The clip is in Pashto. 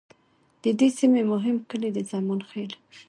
د دې سیمې مهم کلي د زمان خیل،